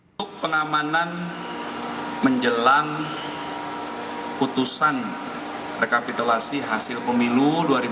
untuk pengamanan menjelang putusan rekapitulasi hasil pemilu dua ribu dua puluh